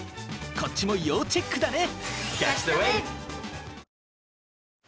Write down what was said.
こっちも要チェックだね！